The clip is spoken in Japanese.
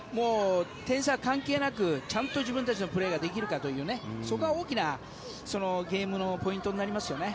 点差関係なくちゃんと自分たちのプレーができるかというそこは大きなゲームのポイントになりますよね。